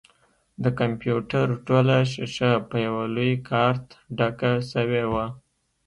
د کمپيوټر ټوله ښيښه په يوه لوى کارت ډکه سوې وه.